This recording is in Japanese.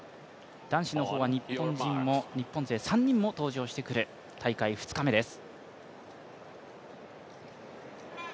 男子の方は日本勢３人も登場してくる大会２日目です。